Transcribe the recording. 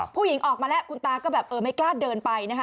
ผู้หญิงออกมาแล้วคุณตาก็แบบเออไม่กล้าเดินไปนะคะ